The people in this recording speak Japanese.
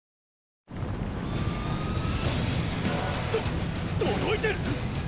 とっ届いてるっ